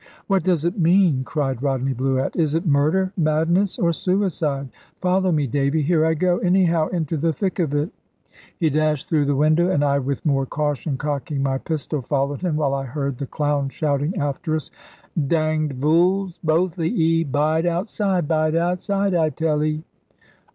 "What does it mean?" cried Rodney Bluett; "is it murder, madness, or suicide? Follow me, Davy. Here I go, anyhow, into the thick of it." He dashed through the window; and I with more caution, cocking my pistol, followed him, while I heard the clown shouting after us "Danged vules both of 'e. Bide outside, bide outside, I tell 'e."